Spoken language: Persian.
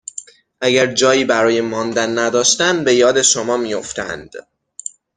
اگر جایی برای ماندن نداشتن به یاد شما می افتند،